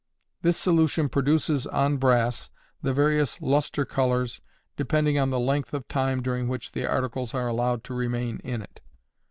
This solution produces on brass the various luster colors, depending on the length of time during which the articles are allowed to remain in it.